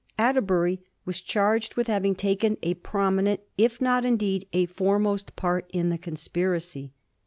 Atterbury was charged with having taken a prominent if not, indeed, a foremost part in the conspiracy.